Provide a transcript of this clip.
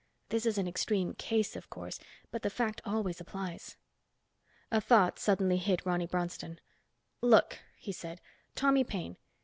This is an extreme case, of course, but the fact always applies." A thought suddenly hit Ronny Bronston. "Look," he said. "Tommy Paine.